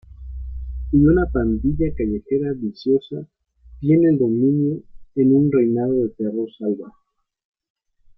Y una pandilla callejera viciosa tiene el dominio en un reinado de terror salvaje.